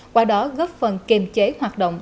qua đó góp phần kiềm chế hoạt động